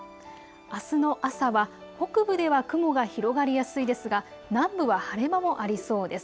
あすの朝は北部では雲が広がりやすいですが南部は晴れ間もありそうです。